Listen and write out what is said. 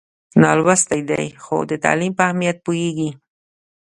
نالوستی دی خو د تعلیم په اهمیت پوهېږي.